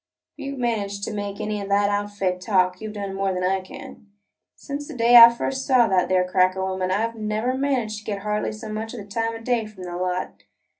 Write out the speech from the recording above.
"If you 've managed to make any of that outfit talk, you 've done more than I can. Since the day I first saw that there cracker woman, I 've never managed to get hardly so much as the time o' day from the lot.